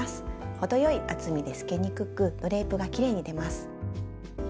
程よい厚みで透けにくくドレープがきれいに出ます。